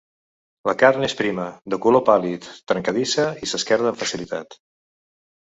La carn és prima, de color pàl·lid, trencadissa i s'esquerda amb facilitat.